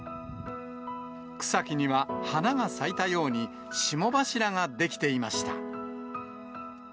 草木には花が咲いたように、霜柱が出来ていました。